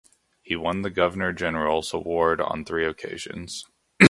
He won the Governor General's Award on three occasions.